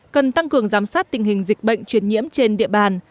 cần tăng cường giám sát tình hình dịch bệnh truyền nhiễm trên địa bàn